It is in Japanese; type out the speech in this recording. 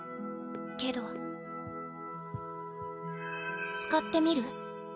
けど使ってみる？